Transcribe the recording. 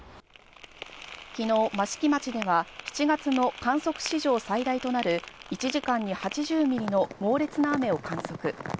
昨日益城町では７月の観測史上最大となる１時間に８０ミリの猛烈な雨を観測。